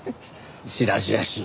しらじらしい。